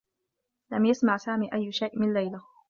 لم يسمع سامي أيّ شيء من ليلى.